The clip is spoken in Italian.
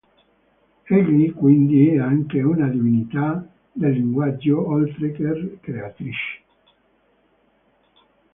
Egli, quindi, è anche una divinità del linguaggio oltre che creatrice.